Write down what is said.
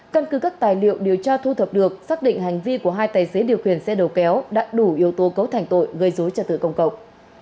căn cứ các tài liệu điều tra thu thập được xác định hành vi của hai tài xế điều khiển xe đầu kéo đã đủ yếu tố cấu thành tội gây dối trật tự công cộng